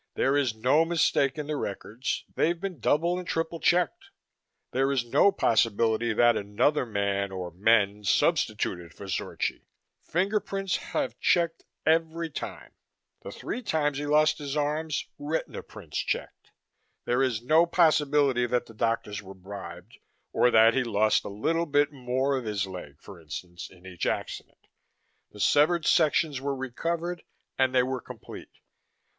There is no mistake in the records they've been double and triple checked. There is no possibility that another man, or men, substituted for Zorchi fingerprints have checked every time. The three times he lost his arms, retina prints checked. There is no possibility that the doctors were bribed, or that he lost a little bit more of his leg, for instance, in each accident the severed sections were recovered, and they were complete.